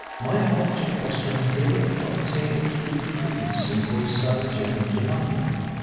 My object was to endeavour to obtain a clue to the reason for his sudden journey to London.